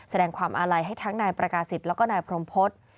แสดงความอะไหลให้ทั้งไหนภปรกาสิทธิ์และไหนพรมพจิต